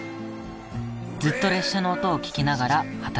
ずっと列車の音を聞きながら働いています。